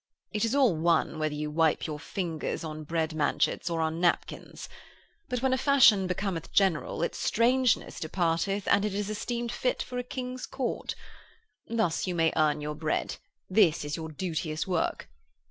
It is all one whether you wipe your fingers on bread manchets or on napkins. But when a fashion becometh general its strangeness departeth and it is esteemed fit for a King's Court. Thus you may earn your bread: this is your duteous work.